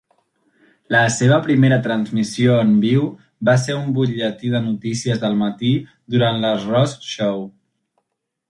La seva primera transmissió en viu va ser un butlletí de notícies del matí durant "Les Ross show".